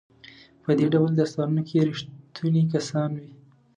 په دې ډول داستانونو کې ریښتوني کسان وي.